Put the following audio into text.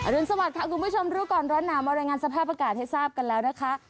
รุนสวัสดิค่ะคุณผู้ชมรู้ก่อนร้อนหนาวมารายงานสภาพอากาศให้ทราบกันแล้วนะคะ